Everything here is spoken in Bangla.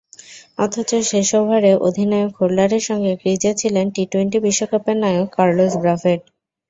অথচ শেষ ওভারে অধিনায়ক হোল্ডারের সঙ্গে ক্রিজে ছিলেন টি-টোয়েন্টি বিশ্বকাপের নায়ক কার্লোস ব্রাফেট।